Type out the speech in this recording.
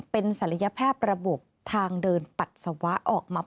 เป็นศัลยแพทย์ระบบทางเดินปัสสาวะออกมา